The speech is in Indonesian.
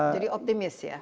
jadi optimis ya